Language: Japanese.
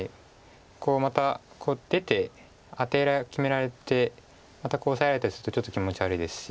こうまた出てアテ決められてまたオサえられたりするとちょっと気持ち悪いですし。